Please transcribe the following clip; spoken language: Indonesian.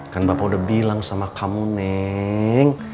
kan bapak udah bilang sama kamu neng